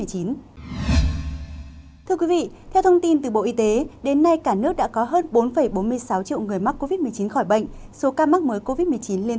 thưa quý vị theo thông tin từ bộ y tế đến nay cả nước đã có hơn bốn bốn mươi sáu triệu người mắc covid một mươi chín khỏi bệnh